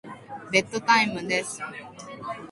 ベッドタイムです。